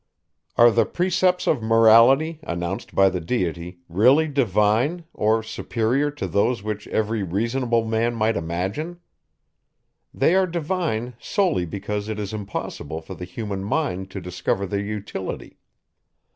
Are the precepts of morality, announced by the Deity, really divine, or superior to those which every reasonable man might imagine? They are divine solely because it is impossible for the human mind to discover their utility.